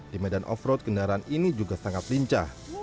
di medan off road kendaraan ini juga sangat lincah